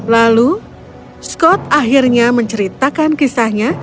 lalu scott akhirnya menceritakan kisahnya